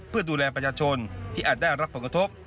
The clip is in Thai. เพื่อดูแลประชาชนที่อาจได้รับผลกระทบ